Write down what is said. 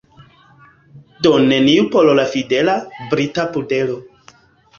Do neniu por la fidela, brita pudelo.